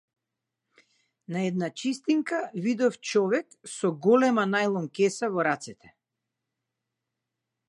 На една чистинка, видов човек со голема најлон кеса во рацете.